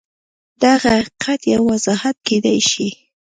دغه حقیقت یو وضاحت کېدای شي